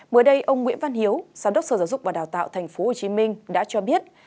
mới đây ông nguyễn văn hiếu giám đốc sở giáo dục và đào tạo tp hcm đã cho biết